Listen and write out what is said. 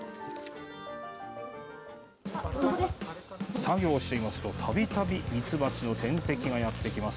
作業をしていますと、たびたびミツバチの天敵がやってきます。